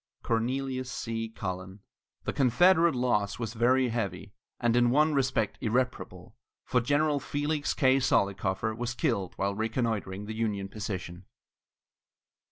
CORNELIUS C. CULLEN. The Confederate loss was very heavy, and in one respect irreparable, for General Felix K. Zollicoffer was killed while reconnoitring the Union position.